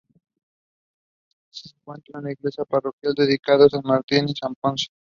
En Tost se encuentra la iglesia parroquial dedicada a san Martín y san Ponce.